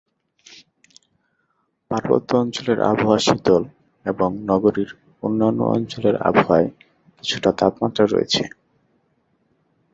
পার্বত্য অঞ্চলের আবহাওয়া শীতল এবং নগরীর অন্যান্য অঞ্চলের আবহাওয়ায় কিছুটা তাপমাত্রা রয়েছে।